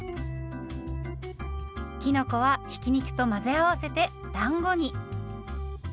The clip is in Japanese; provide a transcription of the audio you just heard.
きのこはひき肉と混ぜ合わせてだんごに。